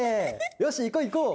よしいこういこう！